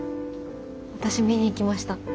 私見に行きました。